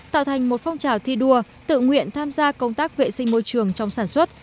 tạo thành một phong trào thi đua tự nguyện tham gia công tác vệ sinh môi trường trong sản xuất